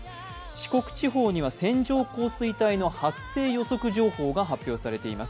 四国地方には線状降水帯の発生予測情報が発表されています。